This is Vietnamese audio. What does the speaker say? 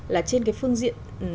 là trên cái phương diện